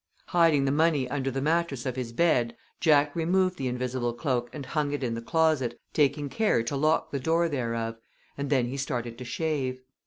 Hiding the money under the mattress of his bed, Jack removed the invisible cloak and hung it in the closet, taking care to lock the door thereof, and then he started to shave.